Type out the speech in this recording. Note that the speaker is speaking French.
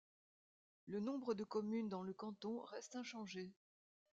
Le nombre de communes dans le canton reste inchangé.